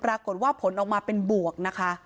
ปรากฏว่าผลออกมาเป็นบวกนะคะ